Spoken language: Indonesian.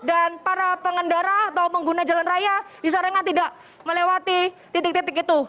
dan para pengendara atau pengguna jalan raya disarankan tidak melewati titik titik itu